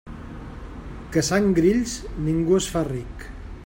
Caçant grills ningú es fa ric.